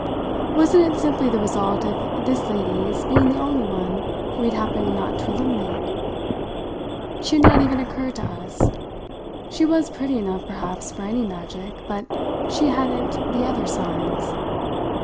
Wasn't it simply the result of this lady's being the only one we had happened not to eliminate? She had not even occurred to us. She was pretty enough perhaps for any magic, but she hadn't the other signs.